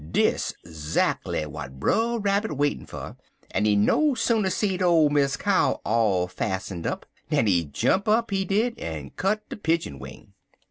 Dis zackly w'at Brer Rabbit waitin' fer, en he no sooner seed ole Miss Cow all fas'en'd up dan he jump up, he did, en cut de pidjin wing.